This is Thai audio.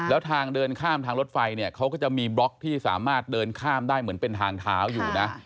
แล้วทางเดินข้ามทางรถไฟเนี่ยเขาก็จะมีบล็อกที่สามารถเดินข้ามได้เหมือนเป็นทางเท้าอยู่นะ